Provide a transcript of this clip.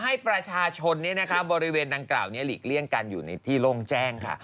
ให้ประชาชนบริเวณดังกล่าวนี้หลีกเลี่ยงกันอยู่ในที่โล่งแจ้งค่ะ